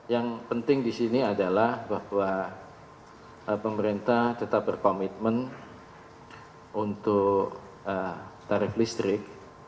yang penting di sini adalah bahwa pemerintah tetap berkomitmen untuk tarif listrik